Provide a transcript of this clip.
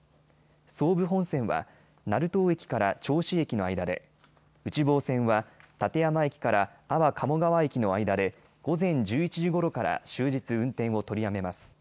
総武本線は成東駅から銚子駅の間で、内房線は館山駅から安房鴨川駅の間で、午前１１時ごろから終日運転を取りやめます。